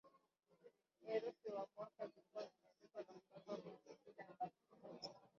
Herufi na mwaka vilikuwa vimeandikwa na kupangwa kwenye kila boksi